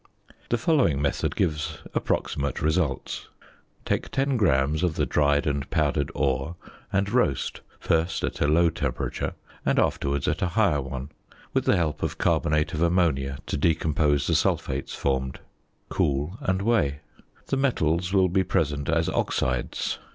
The following method gives approximate results: Take 10 grams of the dried and powdered ore and roast, first at a low temperature and afterwards at a higher one, with the help of carbonate of ammonia to decompose the sulphates formed; cool and weigh. The metals will be present as oxides.